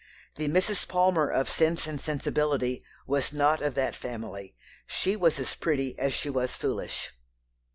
The Mrs. Palmer of Sense and Sensibility was not of that family. She was as pretty as she was foolish.